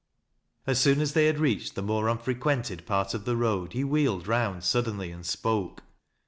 &£ Boon as they had reached the more unfreq[uented part of the road, he wheeled rov nd suddenly, and spoke.